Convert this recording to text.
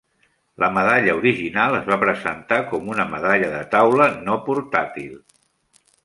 La medalla original es va presentar com una medalla de taula no portàtil.